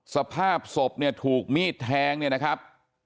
สภาพศพเนี่ยถูกมีดแทงเนี่ยนะครับ